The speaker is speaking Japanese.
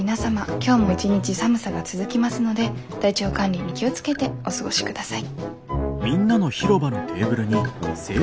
今日も一日寒さが続きますので体調管理に気を付けてお過ごしください。